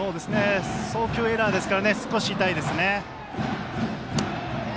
送球エラーですから少し痛いですね。